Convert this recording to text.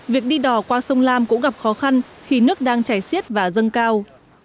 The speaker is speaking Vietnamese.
việc đi đò qua sông lam cũng gặp khó khăn khi nước đang chảy xiết và dâng cao